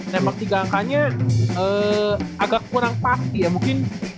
tembak tiga angkanya agak kurang pasti ya mungkin